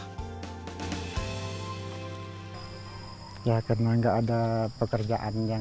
pemerintah pagarawan juga mendapatkan penghasilan tiga juta rupiah setiap bulan dari pekerjaan yang dihasilkan